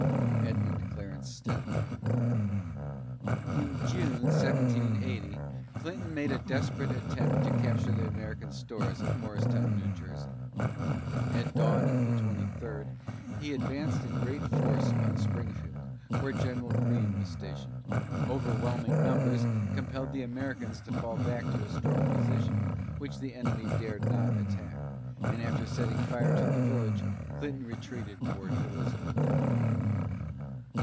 EDMUND CLARENCE STEDMAN. In June, 1780, Clinton made a desperate attempt to capture the American stores at Morristown, N. J. At dawn of the 23d, he advanced in great force upon Springfield, where General Greene was stationed. Overwhelming numbers compelled the Americans to fall back to a strong position, which the enemy dared not attack, and after setting fire to the village, Clinton retreated toward Elizabethtown.